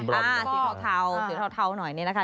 สีเขาเทาสีเขาเทาหน่อยเนี่ยนะคะ